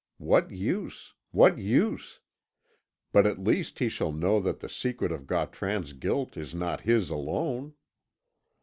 What use? What use? But at least he shall know that the secret of Gautran's guilt is not his alone."